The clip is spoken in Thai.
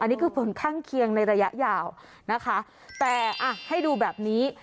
อันนี้คือฝนข้างเคียงในระยะยาวนะคะแต่อ่ะให้ดูแบบนี้